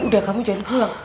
udah kamu jangan pulang